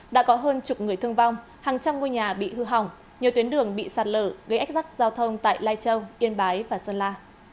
đã có hơn chục người thương vong hàng trăm ngôi nhà bị hư hỏng nhiều tuyến đường bị sạt lở gây ách rắc giao thông tại lai châu yên bái và sơn la